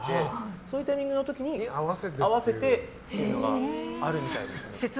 そういうタイミングの時に合わせてとかあるみたいですね。